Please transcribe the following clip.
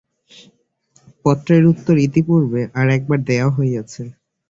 পত্রের উত্তর ইতিপূর্বে আর-একবার দেওয়া হইয়াছে।